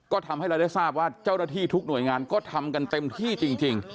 ก็ทำให้เราได้ทราบว่าเจ้าหน้าที่ทุกหน่วยงานก็ทำกันเต็มที่จริง